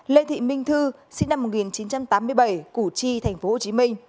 lê thị minh thư sinh năm một nghìn chín trăm tám mươi bảy củ chi tp hcm